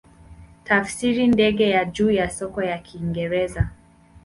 Tafsiri ndege ya juu ya soka ya Kiingereza.